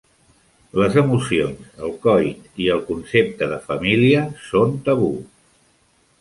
Les emocions, el coit i el concepte de família són tabú.